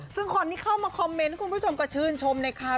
ซึ่งคนที่เข้ามาคอมเมนต์คุณผู้ชมก็ชื่นชมนะคะ